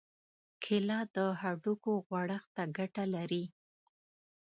کېله د هډوکو غوړښت ته ګټه لري.